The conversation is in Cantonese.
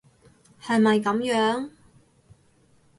係咪噉樣？